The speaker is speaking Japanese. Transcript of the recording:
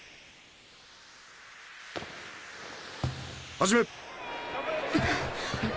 始め！